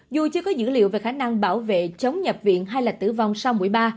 dù chưa có dữ liệu về khả năng bảo vệ chống nhập viện hay là tử vong sau mũi ba